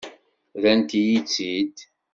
Rrant-iyi-tt-id.